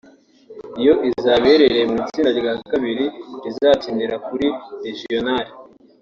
yo izaba iherereye mu itsinda rya kabiri rizakinira kuri Regional